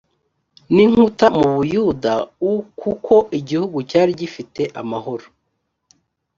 n inkuta mu buyuda u kuko igihugu cyari gifite amahoro